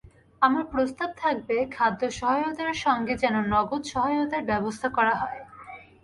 আমার প্রস্তাব থাকবে, খাদ্য সহায়তার সঙ্গে যেন নগদ সহায়তার ব্যবস্থা করা হয়।